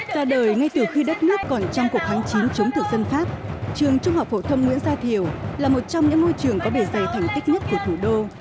ra đời ngay từ khi đất nước còn trong cuộc kháng chiến chống thực dân pháp trường trung học phổ thông nguyễn gia thiều là một trong những ngôi trường có bề dày thành tích nhất của thủ đô